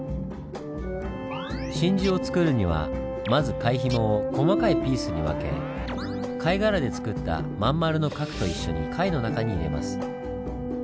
真珠をつくるにはまず貝ひもを細かいピースに分け貝殻でつくったまん丸の核と一緒に貝の中に入れます。